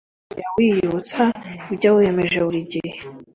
jya usuzuma intego zawe buri munsi. jya wiyibutsa ibyo wiyemeje buri gihe